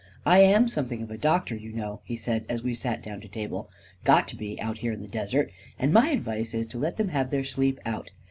" I am something of a doctor, you know," he said, as we sat down to table ; u got to be, out here in the desert — and my advice is to let them have their sleep out.